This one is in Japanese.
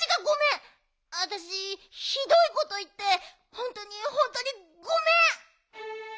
あたしひどいこといってほんとにほんとにごめん！